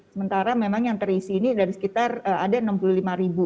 sementara memang yang terisi ini dari sekitar ada enam puluh lima ribu